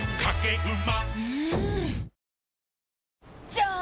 じゃーん！